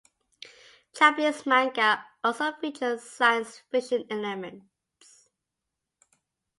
Japanese manga also featured science fiction elements.